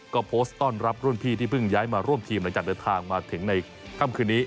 ก็โพสต์ต้อนรับรุ่นพี่ที่เพิ่งย้ายมาร่วมทีมหลังจากเดินทางมาถึงในค่ำคืนนี้